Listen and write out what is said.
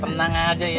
tenang aja ya